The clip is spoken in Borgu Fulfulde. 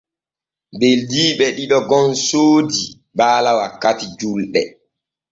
Beldiiɓe ɗiɗo gom soodii baala wakkati julɗe.